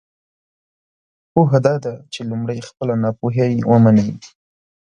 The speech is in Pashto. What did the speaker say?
پوهه دا ده چې لمړی خپله ناپوهۍ ومنی!